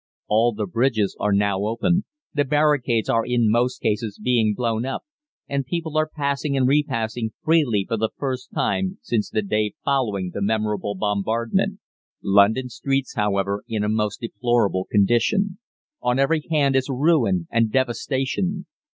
"All the bridges are now open, the barricades are in most cases being blown up, and people are passing and repassing freely for the first time since the day following the memorable bombardment. London streets are, however, in a most deplorable condition. On every hand is ruin and devastation.